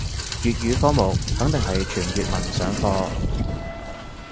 粵語科目肯定係全粵文上課